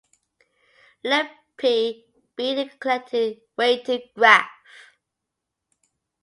Let "P" be a connected, weighted graph.